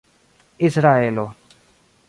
israelo